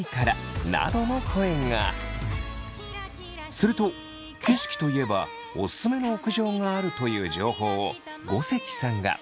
すると景色といえばオススメの屋上があるという情報をごせきさんが。